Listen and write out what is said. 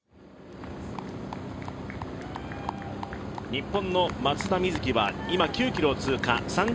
日本の松田瑞生は今９ｋｍを通過。